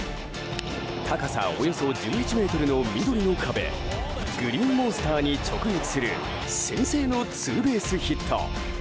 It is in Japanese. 高さおよそ１１ｍの緑の壁グリーンモンスターに直撃する先制のツーベースヒット。